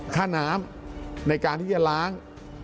ค่าน้ำในการที่จะล้าง